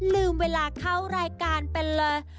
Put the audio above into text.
ลืมเวลาเข้ารายการเป็นเลย